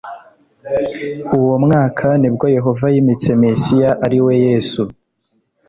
Uwo mwaka ni bwo yehova yimitse mesiya ari we yesu